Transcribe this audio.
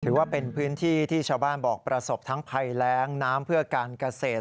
ถือว่าเป็นพื้นที่ที่ชาวบ้านบอกประสบทั้งภัยแรงน้ำเพื่อการเกษตร